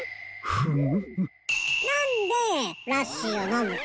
フム。